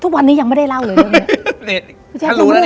ทุกวันนี้ยังไม่ได้เล่าเลย